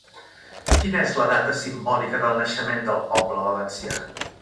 Quina és la data simbòlica del naixement del poble valencià?